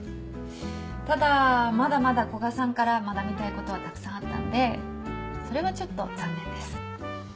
ただまだまだ古賀さんから学びたいことはたくさんあったんでそれはちょっと残念です。